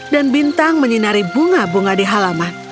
dan bintang menyinari bunga bunga di halaman